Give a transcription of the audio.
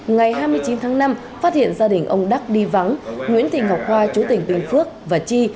ngày hai mươi chín tháng năm phát hiện gia đình ông đắc đi vắng nguyễn thị ngọc hoa chú tỉnh bình phước và chi